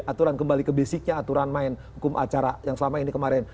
aturan kembali ke basicnya aturan main hukum acara yang selama ini kemarin